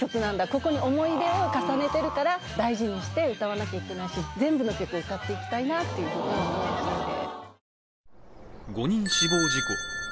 ここに思い出を重ねてるから大事にして歌わなきゃいけないし全部の曲を歌っていきたいなというふうに思いましたね